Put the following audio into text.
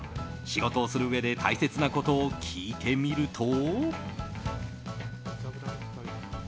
仕事をするうえで大切なことを聞いてみると。